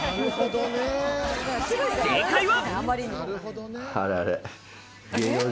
正解は。